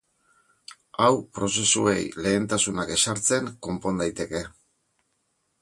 Hau prozesuei lehentasunak ezartzen konpon daiteke.